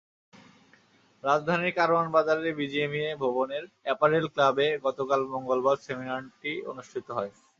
রাজধানীর কারওয়ান বাজারের বিজিএমইএ ভবনের অ্যাপারেল ক্লাবে গতকাল মঙ্গলবার সেমিনারটি অনুষ্ঠিত হয়।